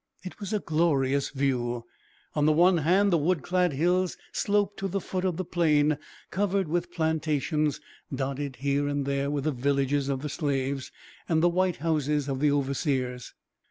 It was a glorious view. On the one hand, the wood clad hills sloped to the foot of the plain, covered with plantations, dotted here and there with the villages of the slaves, and the white houses of the overseers.